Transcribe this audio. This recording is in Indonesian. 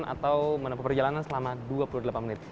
atau menempuh perjalanan selama dua puluh delapan menit